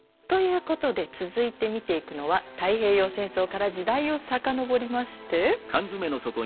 ということで続いて見ていくのは太平洋戦争から時代を遡りまして。